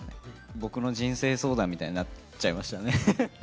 僕の人生相談みたいになっちゃいましたね。